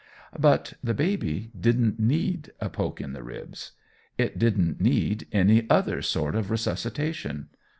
But the baby didn't need a poke in the ribs. It didn't need any other sort of resuscitation.